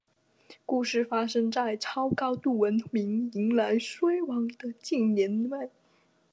故事发生在超高度文明迎向衰亡的近未来。